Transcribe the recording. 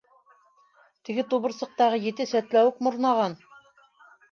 Теге тубырсыҡтағы ете сәтләүек морнаған...